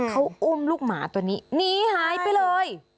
เขาอุ้มลูกหมาตัวนี้หนีหายไปเลย